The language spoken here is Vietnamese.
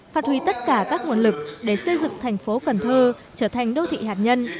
phát huy tất cả các nguồn lực để xây dựng thành phố cần thơ trở thành đô thị hạt nhân